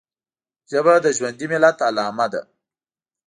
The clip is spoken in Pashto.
ژبه د ژوندي ملت علامه ده